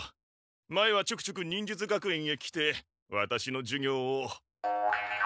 前はちょくちょく忍術学園へ来てワタシの授業を。